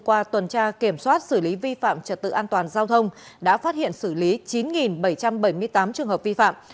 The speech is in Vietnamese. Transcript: qua tuần tra kiểm soát xử lý vi phạm trật tự an toàn giao thông đã phát hiện xử lý chín bảy trăm bảy mươi tám trường hợp vi phạm